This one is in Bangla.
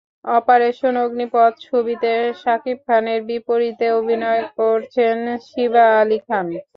অপারেশন অগ্নিপথ ছবিতে শাকিব খানের বিপরীতে অভিনয় করছেন শিবা আলী খান।